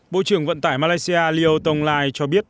bộ trưởng vận tải malaysia leo tonglai cho biết